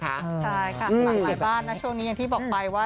ใช่ค่ะหลากหลายบ้านนะช่วงนี้อย่างที่บอกไปว่า